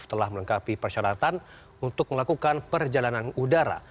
telah melengkapi persyaratan untuk melakukan perjalanan udara